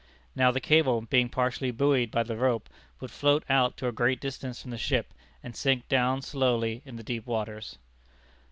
Now the cable, being partially buoyed by the rope, would float out to a great distance from the ship, and sink down slowly in the deep waters.